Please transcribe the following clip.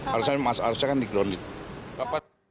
harusnya kan dikondisi